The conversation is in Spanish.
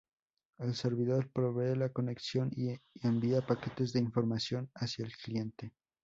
El servidor provee la conexión y envía paquetes de información hacia el cliente.